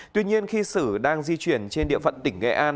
tuy nhiên khi sử đang di chuyển trên địa phận tỉnh nghệ an